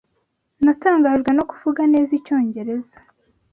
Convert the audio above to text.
Natangajwe no kuvuga neza icyongereza.